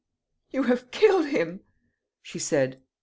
"You have killed him," she said.